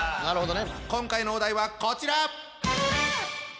今回のお題はこちら！